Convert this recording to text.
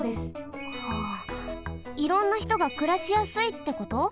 はあいろんなひとがくらしやすいってこと？